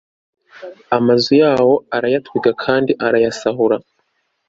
amazu yawo arayatwika kandi arayasahura